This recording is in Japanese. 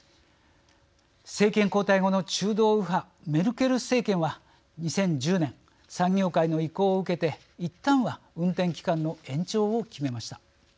政権交代後の中道右派メルケル政権は２０１０年産業界の意向を受けていったんは運転期間の延長を決めました。